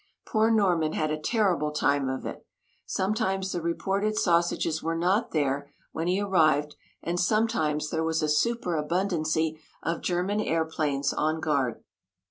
Poor Norman had a terrible time of it! Sometimes the reported "sausages" were not there when he arrived, and sometimes there was a super abundancy of German airplanes on guard.